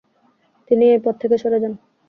তিনি এই পদ থেকে সরে যান।